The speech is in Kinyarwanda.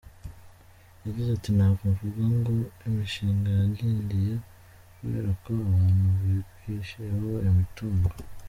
Yagize ati”Ntabwo mvuga ngo imishinga yadindiye kubera ko abantu bigwijeho imitungo.